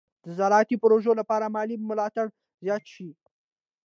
د زراعتي پروژو لپاره مالي ملاتړ زیات شي.